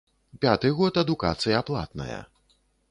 Пяты год адукацыя платная.